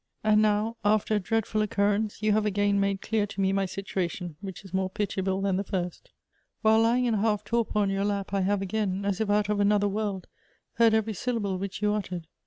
And now, after a dreadful occurrence, you have again made clear to me my situation, which is more pit iable than the first. While lying in a half torpor on your lap, I have again, as if out of another world, heard every syllable which you uttered.